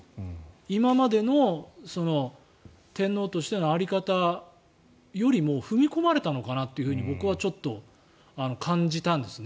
今までの天皇としての在り方よりも踏み込まれたのかなと僕はちょっと感じたんですね。